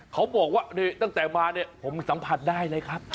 เขาบอกว่าตั้งแต่มาเนี่ยผมสัมผัสได้เลยครับ